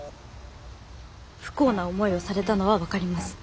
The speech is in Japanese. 不幸な思いをされたのは分かります。